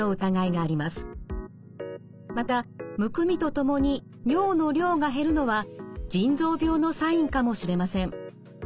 またむくみとともに尿の量が減るのは腎臓病のサインかもしれません。